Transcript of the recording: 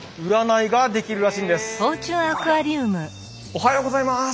おはようございます。